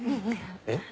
えっ？